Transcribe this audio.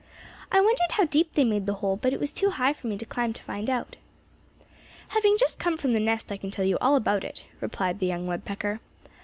"I wondered how deep they made the hole, but it was too high for me to climb to find out." "Having just come from the nest I can tell you all about it," replied the young woodpecker.